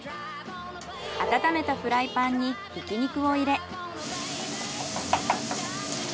温めたフライパンにひき肉を入れ。